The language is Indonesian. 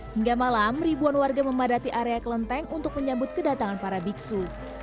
hingga malam ribuan warga memadati area kelenteng untuk menyambut kedatangan para biksu